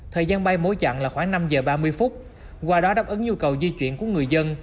thời gian bay mối chặn là khoảng năm giờ ba mươi phút qua đó đáp ứng nhu cầu di chuyển của người dân